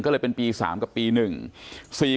ก็เลยเป็นปี๓กับปี๑